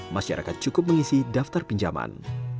masyarakat cukup mengisi daftar pinjaman